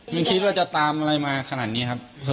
ไม่คิดว่าจะตามอะไรมาขนาดนี้ครับ